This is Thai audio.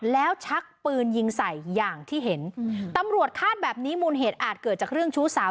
แล้วชักปืนยิงใส่อย่างที่เห็นตำรวจคาดแบบนี้มูลเหตุอาจเกิดจากเรื่องชู้สาว